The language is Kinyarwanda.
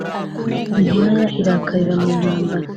Inkwaya irakarira mu ntambara